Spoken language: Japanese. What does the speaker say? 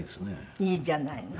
いいじゃないの。